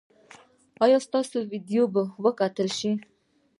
ایا ستاسو ویډیو به وکتل شي؟